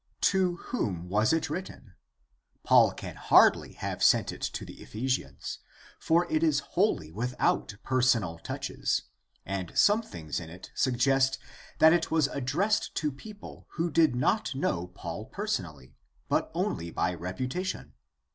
To whom was it written ? Paul can hardly have sent it to the Ephesians, for it is wholly without personal touches, and some things in it suggest that it was addressed to people who did not know Paul personally, but only by reputation (3:2).